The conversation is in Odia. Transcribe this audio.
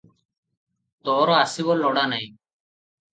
ତୋର ଆସିବ ଲୋଡ଼ା ନାହିଁ ।"